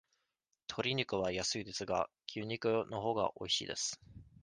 とり肉は安いですが、牛肉のほうがおいしいです。